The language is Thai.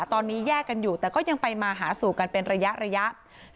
ตอนนี้แยกกันอยู่แต่ก็ยังไปมาหาสู่กันเป็นระยะ